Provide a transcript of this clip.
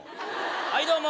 はいどうも。